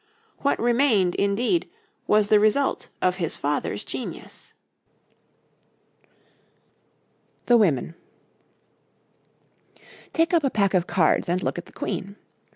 What remained, indeed, was the result of his father's genius. THE WOMEN Take up a pack of cards and look at the queen.